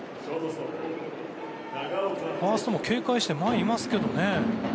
ファーストも警戒して前にいますけどね。